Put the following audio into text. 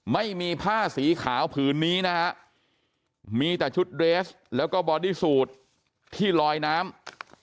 ไม่มีผ้าสีขาวผืนนี้นะฮะมีแต่ชุดเรสแล้วก็บอดี้สูตรที่ลอยน้ำ